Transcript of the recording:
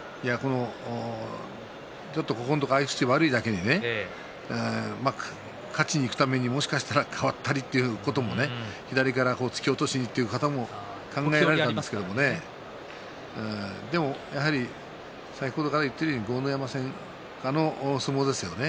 ちょっと、ここのところ合い口が悪いだけに勝ちにいくためにもしかしたら変わったりということも左から突き落としということも考えられたんですけれどでも、やはり先ほどから言っているように豪ノ山戦からあの相撲ですよね。